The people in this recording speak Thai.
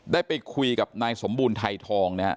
ได้ไปคุยกับนายสมบูรณ์ไทยทองนะครับ